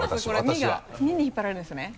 これ「み」が「み」に引っ張られるんですね？